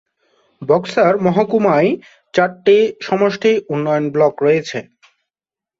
Boxer মহকুমায় চারটি সমষ্টি উন্নয়ন ব্লক রয়েছে।